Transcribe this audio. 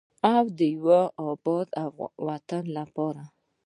او د یو اباد وطن لپاره.